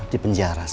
di penjara sak